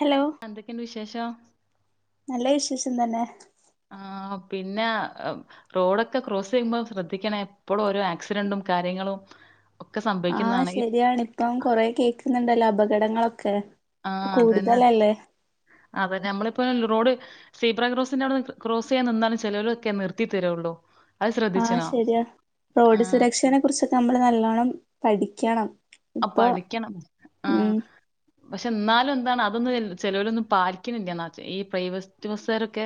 Hello എന്തൊക്കെയുണ്ട് വിശേഷം നല്ല വിശേഷ് ന്ന്ന്നെ ആ പിന്നെ റോഡൊക്കെ ക്രോസെയ്യുമ്പോ ശ്രദ്ധിക്കണേ എപ്പോഴും ഓരോ ആക്സിഡന്റും കാര്യങ്ങളും ഒക്കെ ആ സംഭവിക്കുന്നതാണ് ഈ ശെരിയാണ് ഇപ്പം കൊറേ കേക്ക്ന്ന്ണ്ടല്ലോ അപകടങ്ങളൊക്കെ ആഹ അത തന്നെ കൂടുതലല്ലേ അതെ നമ്മളിപ്പോ റോഡ് സീബ്ര ക്രോസ്സ് ന്റെ ക്ോസ് ചെയ്യാൻ നിന്താലും ചിലവൊക്കെ നിർത്തി തരുള്ളൂ അത് ആഹ ശ്രദ്ധിച്ചണോ ശരിയാ ആ റോഡ് സുരക്ഷനെ കുറിച്ചൊക്കെ നമ്മള് നല്ലവോണം പഠിക്ക കാണണം അപ്പൊ പഠിക്കണം ആ പക്ഷെ എന്നാലും എന്താണ് അതൊന്നും ചെലവർ പാലിക്കുന്നില്ല എന്ന ഈ പ്രൈവറ്റ് ബസ്കരൊക്കെ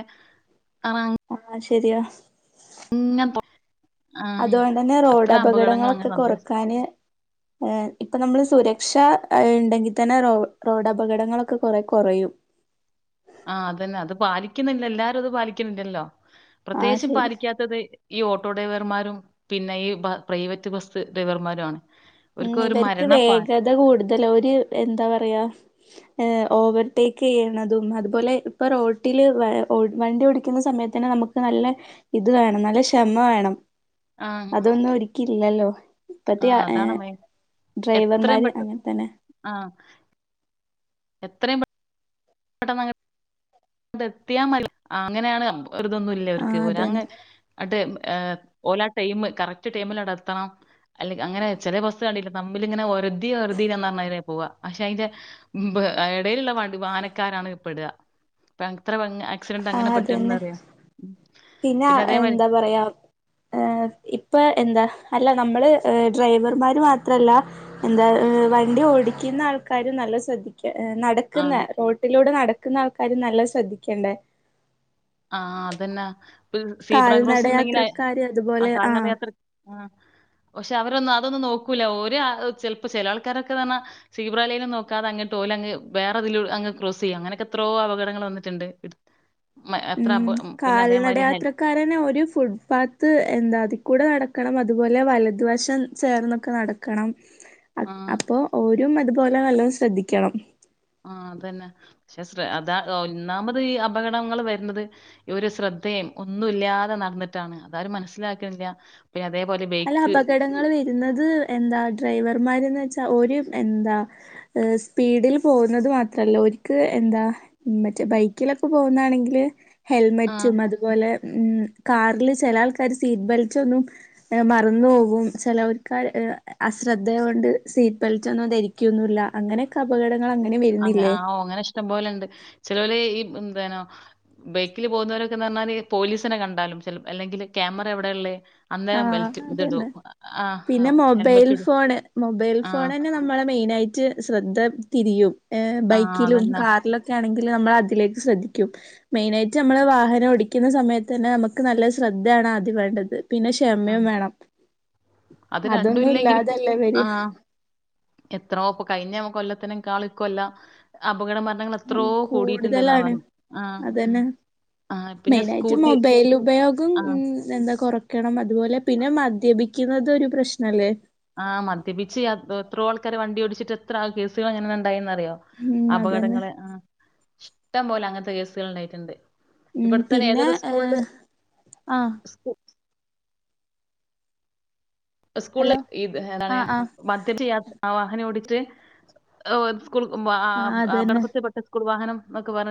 ആ ശരിയാണ് ഉ അതുകൊണ്ട് തന്നെ റോഡ് അങ്ങനെ അപകടങ്ങളൊക്കെ സംഭവിച്ചു കുറക്കാന് ഇപ്പൊ നമ്മള് സുര പക്ഷെ ഉണ്ടെങ്കിൽ തന്നെ റോഡ് അപകടങ്ങളൊക്കെ കൊറെ കുറയും ആഹ അതന്നെ അത് പാലിക്കുന്നില്ല എല്ലാരും അത് പാലിക്കുന്നില്ലല്ലോ ആഹ് പ്രത്യേകിച്ചും ശരി പാലിക്കാത്തത് ഈ ഓട്ട ഓട്ടോ ഡ്രൈവർമാരും പിന്നെ ഈ പ്രൈവറ്റ് ബസ് ഡ്രൈവർമാരും ആണ് അവർക്ക് ഉം ഒരു ഇവർക്ക് മരണപ്പാ വേഗത കൂടുതൽ ഒരു എന്താ പറയാ ഏ ഓവർടേക്ക് ചെയ്യണതും അതുപോലെ ഇപ്പൊ റോട്ടില് വണ്ടി ഓടിക്കുന്ന സമയത്ത് തന്നെ നമുക്ക് നല്ല ഇത് വേണം നല്ല ക്ഷമ വേണം ആ അതൊന്ന ഉക്ക ഇല്ലല്ലോ ആ പത്തിയാ് അതാണ് [unintelligible] മെയിൻ. എത്രയും ഡ്രൈവർമാര് പെട്ടെന്ന് അങ്ങനെ തന്നെ ആ എത്രയും തുടമങ്ങ അ എത്തിയാ മതി അങ്ങനെയാണ് കമ്പം വെറുതൊന്നും ഇല്ല അവർക്ക് ആഹ് പോ അതന്നെ അങ്ങ് അട്ട് ് ഓല ടൈം കറക്റ്റ് ടൈമിൽടെ എത്തണം അല്ല അങ്ങനെ ചില വസ്തുക കണ്ടട്ട നമ്മിൽിങ്ങനെ ഒറുതി ഒറുതി പറഞ്ഞതിനെ പോവാ പക്ഷെ അതിന്റെ ഇടയിലുള്ള വണ്ടി വാനക്കാരാണ് ഇപ്പെെടുക പങ്ക് അത്ര ആക്സിഡന്റ് അങ്ങനെ ആഹ് അതന്നെ പറ്റന്ന്റിയാം പിന്നെ എന്താ പറയാ ഏ ഇപ്പൊ എന്താ അല്ല നമ്മൾ ഡ്രൈവർമാർ മാത്രമല്ല എന്താ വണ്ടി ഓടിക്കുന്ന ആൾക്കാർ നല്ല ശ്രദ്ധിക്കും ആ നടക്കുന്ന റോട്ടിലൂടെ നടുന്ന ുന്ന ആൾക്കാര് നല്ല ശ്രദ്ധിക്കണ്ടേ ആഹ അതെന്നാ സീബ്ര ക്രോസ്സ് ഉണ്ടെങ്കിൽ കാൽനടയാത്രക്കാര് ആ അതുപോലെ കാല ആഹ് യാത്ര ആ പക്ഷെ അവരൊന്ന് അതൊന്ന് നോക്കി ക്കു ലോരു ആഹ്‌ ചിൽപ്പൊ ചെല ആൾക്കാരൊക്കെന്ന് പറഞ്ഞാ സീബ്രാലൈനൊന്നും നോക്കാതെ അങ്ങ്ട്ട് ഓലങ്ങ് വേറെ തിൽ അങ്ങ് ക്രോസ്സിയ്യും അങ്ങനൊക്കെത്രോ അപകടങ്ങൾ വന്നിട്ടുണ്ട് മ എത്ര അപ ഉം പിന്നെ അതേമാതിരി ഹെൽ കാൽനടയാത്രക്കാരനെ ഒരു ഫുട്പാത്ത് എന്താ അതി കൂടെ നടക്കണം മ തുപോലെ വലതുവശം ചേർന്നൊക്കെ നടക്കണം ആഹ് അപ്പൊ ഓരും അത് പോലെ നല്ലം ശ്രദ്ധിക്കണം ആ അതന്നെ ക്ഷെ ശ്ര അതാ ഒന്നാമത് ഈ അപകടങ്ങൾ വരുന്നത്ഈ ഒരു ശ്രദ്ധയും ഒന്നുമല്ല്യാതെ നടന്നിട്ടാണ് അതാരും മനസ്സിലാക്ക്ണില്ല്യ അല്ല അപകടങ്ങള് വെരുന്നത് എന്താ ഡ്രൈവ ർമാരെന്ന് വെച്ചാ ഒരു എന്താ സ്പീഡിൽ പോകുന്നത് മാത്രല്ല ഒല്ക്ക് എന്താ മറ്റേ ബൈക്കിലൊക്കെ പോകുന്നാണെങ്കില് ആഹ് ഹെൽമെറ്റും അതുപോലെ ഉം കാറില് ചില ആൾക്കാര് സീറ്റ് ബെൽറ്റ് ഒന്നും മറന്നു പോകും ചിലവർക്ക് അശ്രദ്ധ കൊണ്ട് സീറ്റ് ബെൽറ്റൊന്നും ധരിക്കുവൊന്നുമില്ല. അങ്ങനെയൊക്കെ അപകട അ ആ ഓ അങ്ങനെ ഇഷ്ടംപോലെണ്ട്. ചിലവര് ഈ എന്ത ബൈക്കില് പോകുന്നവരൊക്കെന്ന് പറഞ്ഞാല് പോലീസിനെ കണ്ടാലും അല്ലെങ്കിൽ ക്യാമറ എവിടെയ ഉള്ളേ ആഹ് അതന്നെ പിന്നെ മൊബൈൽ ഹെൽമെറ്റ് ഇടും. ഫോണ് മൊബൈൽ ആ ഫോണ് തന്നെ നമ്മളെ മെയിനായിട്ട് ശ്രദ്ധ തിരിയും. ഏഹ് ആ ബൈക്കിലും അതന്നെ. കാറിലൊക്കെ ആണെ നമ്മൾ അതിലേക്ക് ശ്രദ്ധിക്കും മെയിന ആയിട്ട് നമ്മള് വാഹനം ഓടിക്കുന്ന സമയത്ത് തന്നെ നമുക്ക് നല്ല ശ്രദ്ധയാണ് ആദ്യ വേണ്ടത്. പിന്നെ ആ ക്ഷമയും വേണം അത് രണ്ടും അതൊന്നും ഇല്ലെങ്കിൽ ഇ ഇല്ലാതല്ലേ ഇവര് ആ എത്രോപ്പ കഴിഞ്ഞ കൊല്ല ത്തിനേക്കാളും ഇക്കൊല്ലം അപകട മരണങ്ങൾ ഉം എത്രയോ കൂടിയിട്ടുണ്ടെന്നാ കൂടുതലാണ് പറഞ്ഞെ. ആ അതന്നെ. ആ പിന്നെ മെയിനായിട്ട് സ്കൂട്ടി മൊബൈൽ ഉപയോഗം ആ ഉ എന്താ കൊറ ക്കണം അ തുപോലെ പിന്നെ മദ്യപി ക്കുന്നത് ഒരു പ്രശ്നം അല്ലേ? ആ മദ്യപിച്ച് യാത് എത്രയോ ആൾക്കാര് വണ്ടി എത്ര കേസുകളെങ്ങനെ ഉണ്ടായിന്നറിയോ ഉം അതന്നെ അപകടങ്ങളെ ആ ഇഷ്‌ടം പോലെ അങ്ങത്തെ കേസുകൾ ഉണ്ടായിട്ടുണ്ട്. ഉം ഇവിടെത്തന്നെ പിന്നെ ഏതൊരു ഏ സ്കൂളില് ആഹ് സ്കൂ സ്കൂളിൽ ഹലോ ആഹ് [unintelligible] ആഹ് വാഹനം ഓടി ആ സ്കൂൾ ആഹ് അതന്നെ അപകടത്തിൽപ്പെട്ട സ്കൂൾ വാഹനം എന്നൊക്കെ പറ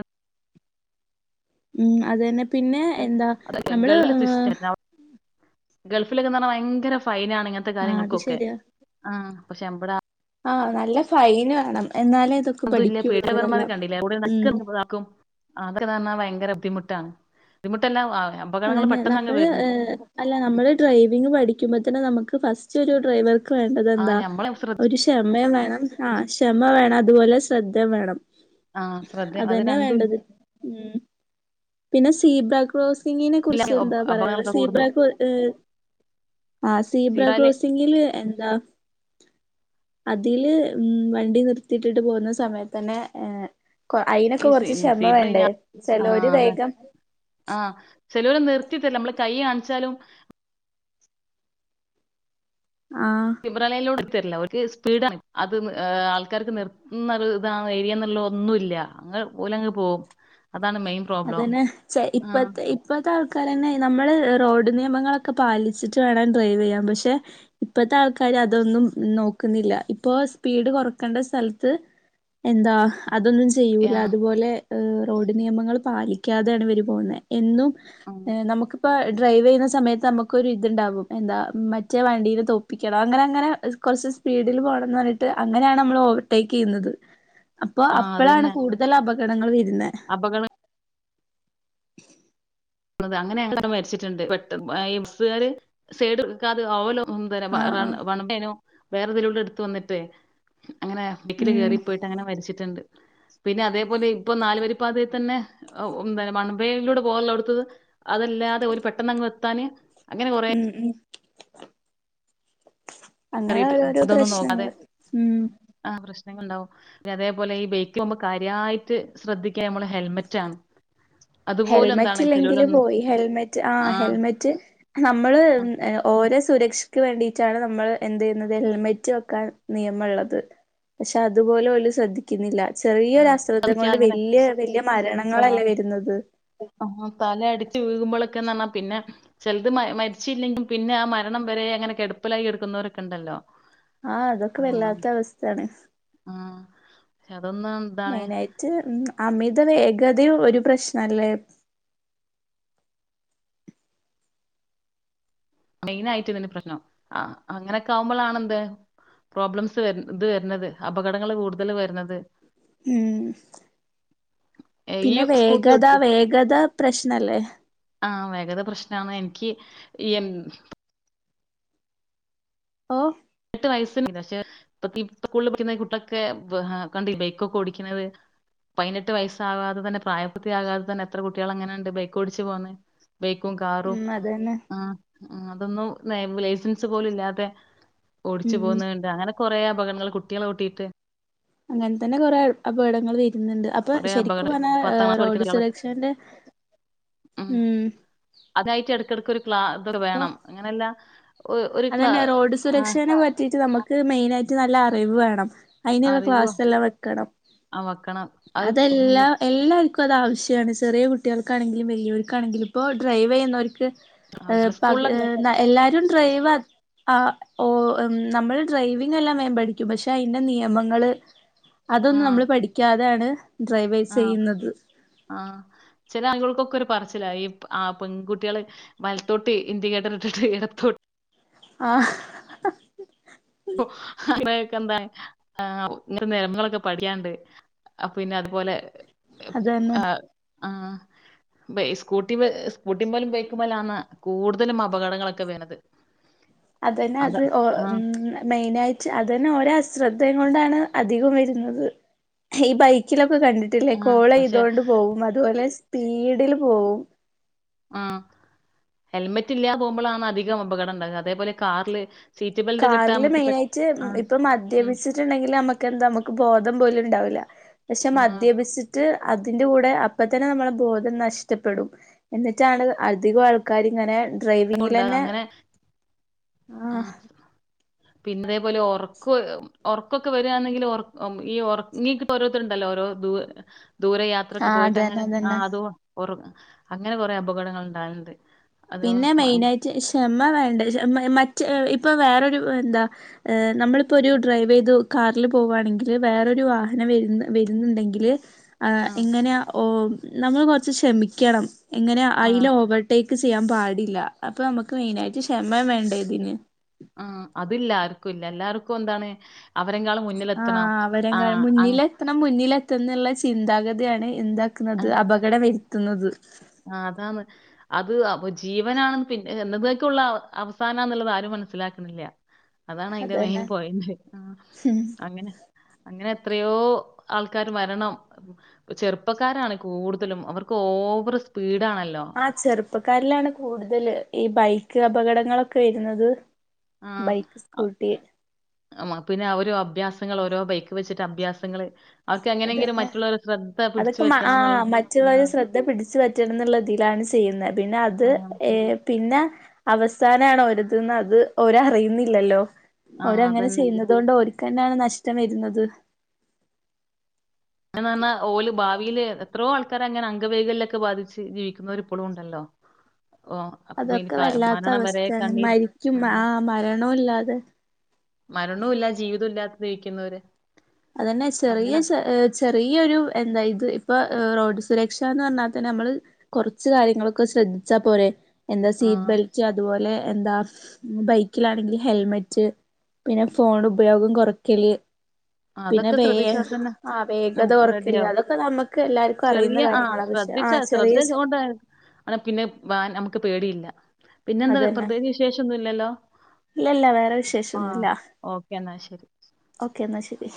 ഉം അത് തന്നെ പിന്നെ എന്താ അതൊക്കെ നമ്മള് ഗൾഫിലെ സിസ്റ്റം ഗൾഫിലൊക്കെന്ന് പറഞ്ഞാൽ ഭയങ്കര ഫൈൻ ആണ് ഇങ്ങനത്തെ ആ അത് കാര്യങ്ങൾക്കൊക്കെ പക്ഷെ അമ്പട ആഹ് നല്ല ഫൈന് വേണം എന്നാലേ ഇതൊക്കെ അത് പിന്നെ പഠിക്കുള്ളൂ [inaudible] മാരെ ഇവരെല്ലാം കണ്ടില്ല ഉം [unintelligible] ആഹ് ഭയങ്കര ബുദ്ധിമുട്ടാണ് ബുദ്ധിമുട്ടല്ല ആ അതന്നെ നമ്മള് അല്ല നമ്മള് ഡ്രൈവിങ് പഠിക്കുമ്പ തന്നെ നമുക്ക് ഫസ്റ്റ് ഒരു ഡ്രൈവർ ആഹ് വേണ്ടതെന്താ ഞമ്മള് ശ്രദ്ധ ഒരു ക്ഷമ വേണം ആ ക്ഷമ വേണം ഇതുപോലെ ശ്രദ്ധ വേണം ആഹ് ശ്രദ്ധ അത് അതന്നെ രണ്ടും ഇല്ല വേണ്ടത് ഉം പിന്നെ സീബ്ര ക്രോസ് ഗിനെ കുറിച്ച് എന്താ പറയാള്ളെ അപകടങ്ങളൊക്കെ സീബ്ര കൂടുന്നത് ആ സീബ്ര സീബ്രയില് ക്രോസിങ്ങില് എന്താ അതിൽ ഉം വണ്ടി നിർത്തിട്ടിട്ട് പോകുന്ന സമയത്തന്നെ ഏഹ് കൊ അയിനൊക്കെ ഈ കുറച്ച് ക്ഷമ സീബ്ര വേണ്ടേ ചെലൊരു ആഹ് അതെ വേഗം ആഹ് ചിലര് നിർത്തിത്താരില്ല നമ്മള് കൈ കാണിച്ചാലും ആഹ് സിബ്രലയ്നീലൂടെ തരില്ല ഓൾക് സ്പീഡാണ് അത് ആൾക്കാർക്ക് നിർത്തുന്ന ഇതാണ് ഏരിയ എന്നുള്ള ഒന്നുല്ല അങ്ങ് പോലെ ഓല് അങ്ങ് പോകും അതന്നെ ഇപ്പത്തെ ഇപ്പത്തെ ആഹ് ആൾക്കാര്തന്നെ നമ്മള് റോഡ് നിയമങ്ങളൊക്കെ പാലിച്ചിട്ട് വേണം ഡ്രൈവ് ചെയ്യാാം പക്ഷെ ഇപ്പഴത്തെ ആൾക്കാര് അതൊന്നും നോക്കുന്നില്ല ഇപ്പൊ സ്പീഡ് കൊറക്കേണ്ട സ്ഥലത്ത് എന്താ അതൊന്നും ചെയ്യൂല ആഹ് അതുപോലെ ഏഹ് റോഡ് നിയമങ്ങൾ പാലിക്കാതെയാണ് ഇവര് പോവുന്നെ എന്നും ആഹ് ഏഹ് നമുക്ക് ഇപ്പൊ ഡ്രൈവ് ചെയ്യുന്ന സമയത്ത് നമ്മക്കൊരു ഇതുണ്ടാവും എന്താ മറ്റേ വണ്ടിയെ തോപ്പിക്കണം അങ്ങനെ അങ്ങനെ കുറച്ച് സ്പീഡിൽ പോകണന്ന് പറഞ്ഞിട്ട് അങ്ങനെയാണ് നമ്മൾ ഓവർടേക്ക് ചെയ്യുന്നത് അപ്പൊ ആഹ് അപ്പോഴാണ് അതന്നെ കൂടുതൽ അപക ഇടങ്ങളിൽ പിന്നെ അപകടം അങ്ങനെടെ മരിച്ചിട്ടുണ്ട് പെട്ടന്ന് വയസുകാര് സൈഡ് ഒതുക്കാതെ ഓവർലോ എന്തര് ആഹ് റൺ ആഹ് വൺവേ അയിനോ വേറെതിലൂടെ എടുത്ത് വന്നിട്ടേ അങ്ങനെ ടിക്കില്ല് ഉം കയറിപ്പോയിട്ട് അങ്ങനെ മരിച്ചിട്ടുണ്ട് പിന്നെ അതേപോലെ ഇപ്പൊ നാലുവരി പാതയിൽ തന്നെ വൺവേയിലൂടെ തന്നെ പോവാൻ ഉള്ളടത് അതല്ലാതെ ഒരു പെട്ടെന്ന് അങ്ങ് ത്താന് ഉം ഉം അങ്ങനെ കേറിട്ട് ഓരോരോ ഇതൊന്നും പ്രശ്നങ്ങൾ ഉം ങാങൾ ഇണ്ടാവും അതേപോലെ ഈ [unintelligible] കാര്യായിട്ട് ശ്രദ്ധിക്ക നമ്മള് ഹെൽമെറ്റാണ് അതുപോലും ഹെൽമെറ്റ് എന്താണ് ഇല്ലെങ്കില് ചെലോലൊന്നും പോയി ഹെൽമെറ്റ് ആഹ് ഹെൽമെറ്റ് നമ്മള് ഓരോ സുരക്ഷക്ക് വേണ്ടീറ്റാണ് നമ്മള് എന്തെയ്യുന്നത് ഹെൽമെറ്റ് വക്കാൻ നിയമള്ളത് പക്ഷെ അതുപോലും ഓല് ശ്രദ്ധിക്ക്ന്നില്ല ചെറിയൊരു അശ്രദ്ധ ആഹ് കൊണ്ട് അങ്ങനെ വെല്ല്യയ വെല്ല്യ മരണങ്ങളല്ലേ വരുന്നത് ആ തല അടിച്ചു വീകുമ്പളൊക്കെ പിന്നെന്നർഞ്ഞ പിന്നെ ചെൽത് മ മര്ച്ചീല്ലെങ്കിൽ പിന്നെ ആ മരണം വരെ അങ്ങനെ കെട്പ്പിലായി കെട്ക്കുന്നോരൊക്കെണ്ടല്ലോ ആഹ് അതൊക്കെ വല്ലാത്ത അവസ്ഥാണ് ആഹ് പക്ഷെ അതൊന്നും എന്താണ് മെയിനായിറ്റ് അമിത വേ ഗതയും ഒരു പ്രശ്നല്ലേ മെയിൻ ആയിട്ട് ഇതിന്നെ പ്രശ്നം ആ അങ്ങനൊക്കെ ആവുമ്പളാണ് എന്ത് പ്രോബ്ലംസ് വര് ഇത് വരുന്നത് അപകടങ്ങൾ കൂടുതൽ വരുന്നത് ഉം ഈ പിന്നെ സ്കൂട്ടി വേഗത വേഗത പ്രശ്നല്ലേ ആ വേഗത പ്രശ്നാന്ന് എൻക്ക് ഈ എ ഓ [unintelligible] പക്ഷെ [unintelligible] ഈ സ്കൂളില് പഠിക്കുന്ന കുട്ടൊക്കെ കണ്ടില്ലേ ബൈക്കൊക്കെ ഒടിക്കണത് പയ്നെട്ട് വയസ്സാവാതെ തന്നെ പ്രായപൂർത്തി ആകാതെ തന്നെ എത്ര കുട്ട്യാളങ്ങനണ്ട് ബൈക്ക് ഓടിച്ചു പോന്നെ ബൈക്കും കാറും ഉം അതന്നെ ആ ഉം അതൊന്നും [unintelligible] ലൈസൻസ് പോലുല്ലാതെ ഓടിച്ചു ഉം ഉം പോകുന്ന കണ്ട് അങ്ങനെ കൊറേ അപകടങ്ങൾ കുട്ട്യാള ഓട്ടീട്ട് അങ്ങൻ തന്നെ കൊറേ അപകടങ്ങള് വെ കൊറെ അപകട പത്താങ്ക്ളാസ് പഠിക്കുന്ന കുട്ട്യാള് സുരക്ഷേന്റെ ഉം അതായിട്ട് ഇടെക്കെടെക്ക് ഒര് ക്ലാ ഇതൊരു വേണം അങ്ങനല്ല അതെന്നെ റോഡ് സുരക്ഷേനെ പറ്റീട്ട് നമ്മക്ക് മെയിനായിട്ട് നല്ല അറിവ് വേ ണം അയിന് വ അറിവ് ക്ലാസ് എല്ലാം വെക്കണം ആ വെക്കണം അത് അതെല്ലാം എല്ലാര്ക് ഇപ്പ അതാവശ്യാണ് ചെറിയേ കുട്ട്യാൾക്കാണെങ്കിലും വെല്ല്യോർക്കാണെങ്കിലും ഇപ്പോൾ ഡ്രൈവെയ്യുന്നോർക്ക് ഇഹ് പക് സ്കൂളിലൊക്കെ എല്ലാരും ഡ്രൈവ ആ ഓ ഓം നമ്മൾ ഡ്രൈവിംഗ് എല്ലാം വേം പഠിക്കും പക്ഷെ അയിന്റെ നിയമങ്ങള് ആ അതൊന്നും നമ്മള് പഠിക്കാ താണ് ആഹ് ആ ചെല ആൾകൾകൊക്കൊരു പറച്ചില്ല ഈ ആ പെൺകുട്ടികള് വലത്തോട്ട് ഇൻഡിക്കേറ്റർ ഇട്ടിട്ട് ഇടത്തോട്ട് ആഹ് ഓ അ [unintelligible] എന്താ ഇങ്ങനെ നിയമളൊക്കെ പഠിക്കാണ്ട് പിന്നെ അതുപോലെ അതന്നെ ആ ബേ സ്കൂട്ടി സ്കൂട്ടി പോലും ബൈക്കും പോല ആണ് കൂടുതലും അപകടങ്ങളൊക്കെ വേണത് അതന്നെ അത് ഒ മെയിന് ആയിട്ട് അതന്നെ ഓരാ അശ്രദ്ധയും കൊണ്ടാണ് അധികം വരുന്നത് ഈ ബൈക്കിലൊ കണ്ടിട്ടില്ലേ ആഹ് കോള ഇതുകൊണ്ട് പോകും അതുപോലെ സ്പീഡിൽ പോവും ആ ഹെൽമെറ്റ് ഇല്ലാ പോവുമ്പളാണ് അധികം അപകടംണ്ടാകുക അതേപോലെ കാറില് സീറ്റ് ബെൽറ്റ് കെട്ടാ കാറില് നമുക്ക് പെ മെയിനായിട്ട് ആഹ് ഇപ്പൊ ഉം മദ്യപിച്ചിട്ട് ണ്ടെങ്കിൽ നമുക്കെന്താ നമുക്ക് ബോധം പോലും ഉണ്ടാവില്ല പക്ഷെ ആഹ് മദ്യപിച്ചിട്ട് അതിന്റെ കൂടെ അപ്പ തന്നെ നമ്മളെ ബോധം നഷ്ടപ്പെടും എന്നിട്ടാണ് അധികം ആൾക്കാരിങ്ങനെ ഡ്രൈവിംഗിലന്നെ ആ പിന്നതേപോലെ ഒറക്ക്‌ ഒറക്കൊക്കെ വര്വണെങ്കില് ഒറ അം ഈ ഒറങ്ങീക്ക്‌ ഓരോരുത്തരുണ്ടല്ലോ ഓരോ ദൂ ദൂര ആ യാത്രക്ക് പോയിട്ട് അതന്നെ അങ്ങനെ ആ അതന്നെ അത് ഒറ അങ്ങനെ കൊറെ അപകടങ്ങള്ണ്ടാകല്ണ്ട് പിന്നെ മെയിനായിട്ട് ഷെമ വേണ്ടെ ഷെ മ മ്മ യ് ഇപ്പൊ വേറൊരു എന്താ നമ്മളിപ്പോ ഒരു ഡ്രൈവ് ചെയ്ത് കാറില് പോവാണെങ്കിൽ വേറൊരു വാഹനം വരുന്ന് വരുന്ന്ണ്ടെങ്കില് ആ എങ്ങനെ ഓ നമ്മൾ കൊറച്ച് ക്ഷമിക്കണം എങ്ങനെ ആ അയില ഓവർടേക്ക് ക്ക്‌ ചെയ്യാൻ പാടില്ല അപ്പൊ നമുക്ക് മെയിനായിട്ട് ക്ഷമ വേണ്ട ഇതിന് ലാക്കുംല്ലല്ലാർക്കുംഎന്താണ് അവ് ആ അവരെങ്കാലും അങ് മുന്നിലെത്തണം മുന്നിലെത്ത്ന്നുള്ള ചിന്താഗതി താണ് ആ എന്താക്കുന്നത് അപകടം വര് ത്ത്ന്നത് ആ അതാണ് അത് അപ്പൊ ജീവനാണെന്ന് പിന്നെ [unintelligible] അവസാനാന്നുള്ളത് ആരും മനസ്സിലാക്കണില്ല അതാണ് അതിന്റെ മെയിൻ അതന്നെ പോയന്റ് ഉം അങ്ങനെ അങ്ങനെ എത്രയോ ആൾക്കാര് മരണം ചെറുപ്പക്കാരാണ് കൂടുതലും അവർക്ക് ഓവറ് സ് പീ ആ ചെറുപ്പക്കാരിലാണ് കൂടുതല് ഈ ബൈക്ക് അപകടങ്ങളൊക്കെ വരുന്നത് ആ ബൈക്ക് സ്കൂട്ടി അം മ പിന്നെ അവര് അഭ്യാസ് ങ്ങളോരോ ബൈക്ക്‌ വെച്ചിട്ട് അഭ്യാസങ്ങള് അവർക്ക് എങ്ങനെയെങ്കിലും അതന്നെ മറ്റുള്ളവരെ ശ്രദ്ധ പിടിച്ചു അതൊക്കെ മ ആ പറ്റണം എന്നുള്ള ആ മറ്റുള്ളവരെ ശ്രദ്ധ പിടിച്ചു പറ്റണന്നുള്ള ഇതിലാണ് ചെയ്യുന്നത് പിന്നെ അത് ആ ഏ പിന്നെ അവസാനാണ് ഓരിത് ന്ന് അത് ഓരറിയുന്നില്ലല്ലോ ആ അവരങ്ങനെ അതന്നെ ചെയ്യുന്നുന്നത് കൊണ്ട് ഓര് ക്കന്നാണ് നഷ്ടം വരുന്നത് [unintelligible] ഓല് ഭാ വീല് എത്രയോ ആൾക്കരങ്ങനെ അംഗവൈഗല്യോക്കെ ബാധിച്ച് ജീവിക്കുന്നവരിപ്പോളും ഉണ്ടല്ലോ ഓ അപ്പൊ പിന്നെ അതൊക്കെ ക- വല്ലാത്ത മരണം വരെ അവസ്ഥയാണ് കണ്ണീര് മരിക്കും ആ മരണോ ഇല്ലാതെ ഗ്രഹിക്കുന്നവര് അതന്നെ ചെറിയ ശെ ഏ ചെറിയൊരു എന്താ ഇത് ഇപ്പൊ റോഡ് സുരക്ഷ എന്ന് പറഞ്ഞാൽ തന്നെ നമ്മള് കുറച്ച് കാര്യങ്ങളൊക്കെ ശ്രദ്ധിച്ചാ പോരെ എന്താ ആ സീറ്റ് ബെൽറ്റ് അതുപോലെ എന്താ ബൈക്കിലാണെങ്കിൽ ഹെൽമെറ്റ് പിന്നെ ഫോൺ ഉപയോഗം കൊറക്കല് ആ അതൊക്കെ ശ്രദ്ധിച്ചാൽ തന്നെ നമു വേഗത കുറയ്ക്കല് റെഡിയാവും അതൊക്കെ നമുക്ക് എല്ലാർക്കും ചെറിയ അറിയുന്ന ആ കാര്യങ്ങളാ പക്ഷെ ആ ശ്രദ്ധിച്ചാ ശ്രദ്ധ ചെറിയ കൊണ്ടാ പിന്നെ വാൻ നമുക്ക് പേടിയില്ല പിന്നെന്താ അതന്നെ പ്രത്യേകിച്ച് വിശേഷമൊന്നും ഇല്ലല്ലോ ഇല്ലല്ല വേറെ ആ വിശേഷൊന്നുല്ല ഓക്കെ എന്നാൽ ശരി ഓക്കേ എന്നാ ശരി